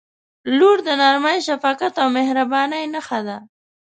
• لور د نرمۍ، شفقت او مهربانۍ نښه ده.